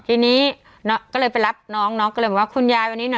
ทีนี้น้องก็เลยไปรับน้องน้องก็เลยบอกว่าคุณยายวันนี้หน่อย